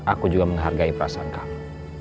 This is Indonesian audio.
aku juga menghargai perasaan kamu